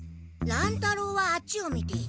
乱太郎はあっちを見ている。